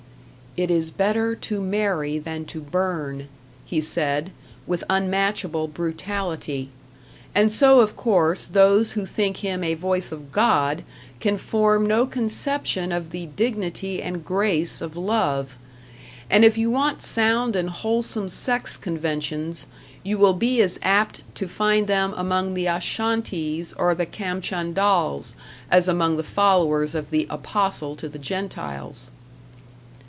"It is better to marry than to burn," he said, with unmatchable brutality; and so of course those who think him a voice of God can form no conception of the dignity and grace of love, and if you want sound and wholesome sex conventions, you will be as apt to find them among the Ashantees or the Kamchadals as among the followers of the Apostle to the Gentiles.